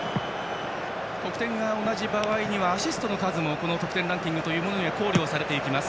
得点が同じ場合にはアシストの数もこの得点ランキングには考慮されていきます。